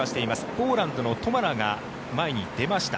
ポーランドのトマラが前に出ました。